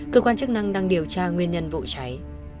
cơ quan chức năng đang điều tra nguyên nhân vụ cháy